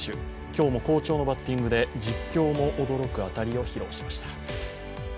今日も好調のバッティングで実況も驚く当たりを披露しました。